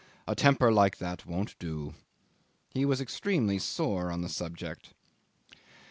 A temper like that won't do!" ... He was extremely sore on the subject.